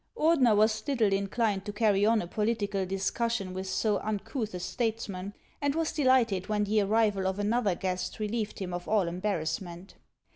Ordener was little inclined to carry on a political dis cussion with so uncouth a statesman, and was delighted when the arrival of another guest relieved him of all embarrassment.